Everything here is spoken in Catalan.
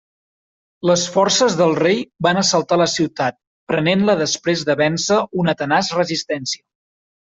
Les forces del rei van assaltar la ciutat prenent-la després de vèncer una tenaç resistència.